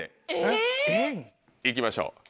行きましょう。